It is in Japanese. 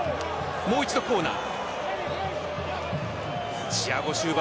もう一度コーナー。